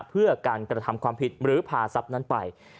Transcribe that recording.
เพื่อการกระทำความผิดหรือพาทรัพย์นั้นไป